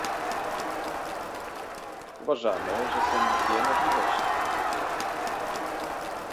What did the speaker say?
Uważamy, że są dwie możliwości